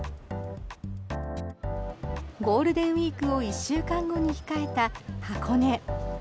ゴールデンウィークを１週間後に控えた箱根。